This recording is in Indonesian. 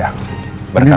berna beneran nih mas